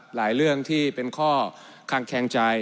หลายเรื่องที่เป็นข้อคังแคงใจ